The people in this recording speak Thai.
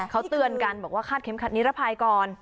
เขาเตือนกันบอกว่าคาดเข็มขัดนิรภัยก่อน